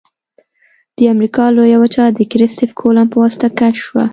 د امریکا لویه وچه د کرستف کولمب په واسطه کشف شوه.